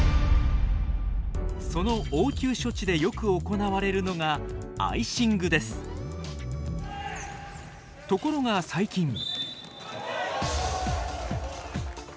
その応急処置でよく行われるのがところが最近。